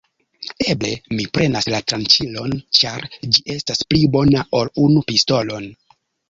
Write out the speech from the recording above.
Eble mi prenas la tranĉilon, ĉar ĝi estas pli bona ol unu pistolon.